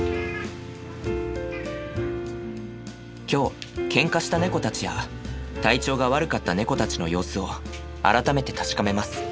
今日ケンカした猫たちや体調が悪かった猫たちの様子を改めて確かめます。